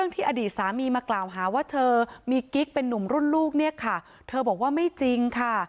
ที่อดีตสามีมากล่าวหาว่าเธอมีกิ๊กเป็นนุ่มรุ่นลูกเนี่ยค่ะเธอบอกว่าไม่จริงค่ะ